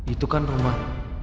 itu kan rumah